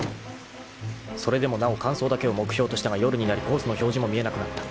［それでもなお完走だけを目標としたが夜になりコースの表示も見えなくなった］